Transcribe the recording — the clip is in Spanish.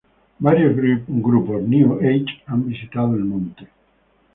Varios grupos "New Age" han visitado el monte.